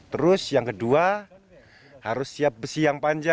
terus yang kedua harus siap besi yang panjang